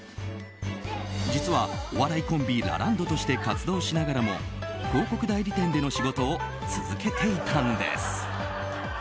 実は、お笑いコンビラランドとして活動しながらも広告代理店での仕事を続けていたんです。